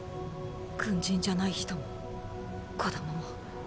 軍人じゃない人も子供も。